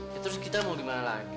ya terus kita mau ke mana lagi